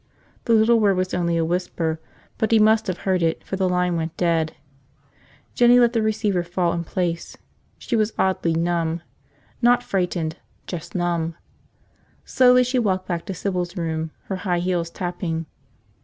The little word was only a whisper, but he must have heard it for the line went dead. Jinny let the receiver fall in place. She was oddly numb. Not frightened, just numb. Slowly she walked back to Sybil's room, her high heels tapping.